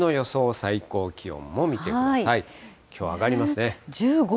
最高気温も見てください。